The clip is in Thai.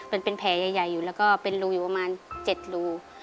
มันเป็นแผลใหญ่อยู่แล้วก็เป็นรูอยู่ประมาณ๗รู